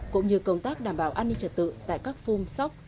cũng như công tác đảm bảo an ninh trật tự tại các phung sóc